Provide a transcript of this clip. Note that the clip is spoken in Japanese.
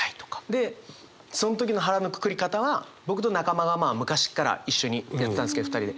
でその時の腹のくくり方は僕と中間がまあ昔っから一緒にやってたんですけど２人で。